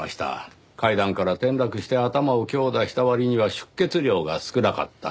階段から転落して頭を強打した割には出血量が少なかった。